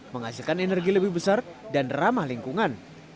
menghasilkan energi lebih besar dan ramah lingkungan